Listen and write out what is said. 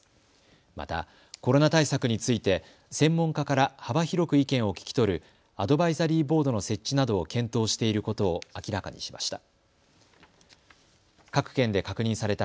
また、コロナ対策について専門家から幅広く意見を聞き取るアドバイザリーボードの設置などを検討していることを明らかにしました。